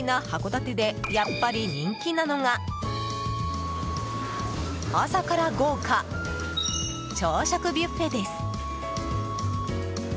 函館でやっぱり人気なのが朝から豪華、朝食ビュッフェです。